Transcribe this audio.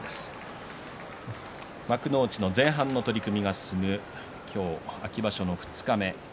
幕内の前半の取組が進む今日、秋場所の二日目。